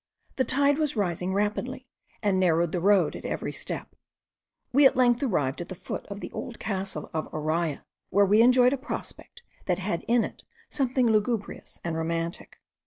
The tide was rising rapidly, and narrowed the road at every step. We at length arrived at the foot of the old castle of Araya, where we enjoyed a prospect that had in it something lugubrious and romantic.